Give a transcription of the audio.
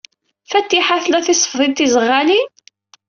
Fatiḥa tla tisefḍin tiẓeɣɣalin?